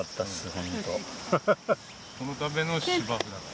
このための芝生だから。